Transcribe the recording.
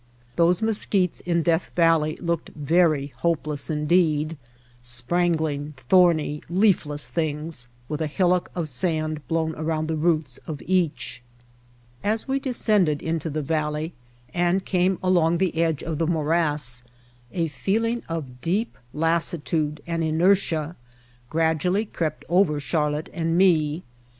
Those mesquites in Death Valley looked very hopeless indeed, sprangling, thorny, leafless things with a hillock of sand blown around the roots of each. As we descended into the valley and came along the edge of the morass a feeling of deep lassitude and inertia gradually crept over Char lotte and me.